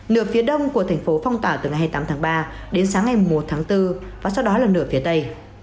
nửa phía đông của thành phố phong tỏa từ ngày hai mươi tám tháng ba đến sáng ngày một tháng bốn và sau đó là nửa phía tây